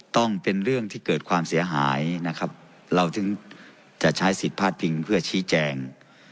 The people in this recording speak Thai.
ต้องเป็นเรื่องที่เกิดความเสียหายนะครับเราถึงจะใช้สิทธิ์พาดพิงเพื่อชี้แจง